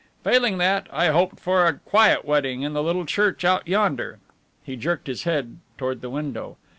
Failing that, I hoped for a quiet wedding in the little church out yonder." He jerked his head toward the window.